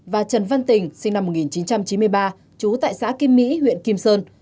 và trần văn tình sinh năm một nghìn chín trăm chín mươi ba trú tại xã kim mỹ huyện kim sơn